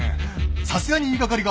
さすがに言い掛かりが。